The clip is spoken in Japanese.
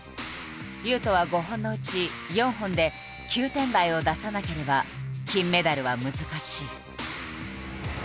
雄斗は５本のうち４本で９点台を出さなければ金メダルは難しい。